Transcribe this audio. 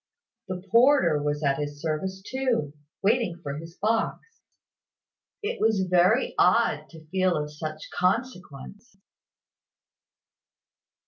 The porter was at his service too, waiting for his box! It was very odd to feel of such consequence.